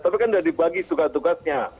tapi kan sudah dibagi tugasnya